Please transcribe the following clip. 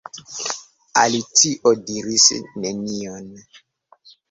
Alicio diris nenion.